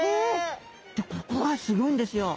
でここがすギョいんですよ。